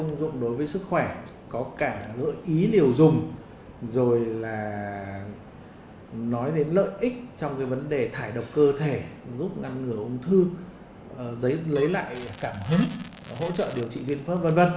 nói đến lợi ích trong vấn đề thải độc cơ thể giúp ngăn ngừa ung thư giấy lấy lại cảm hứng hỗ trợ điều trị viên phương v v